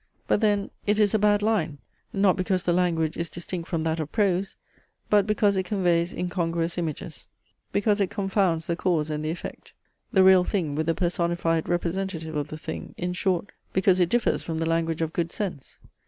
But then it is a bad line, not because the language is distinct from that of prose; but because it conveys incongruous images; because it confounds the cause and the effect; the real thing with the personified representative of the thing; in short, because it differs from the language of good sense!